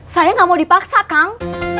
saya nggak mau dipaksa kang